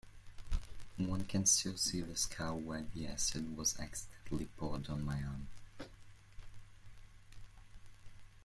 One can still see the scar where the acid was accidentally poured on my arm.